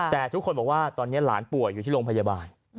แต่ทุกคนบอกว่าตอนนี้หลานป่วยอยู่ที่โรงพยาบาล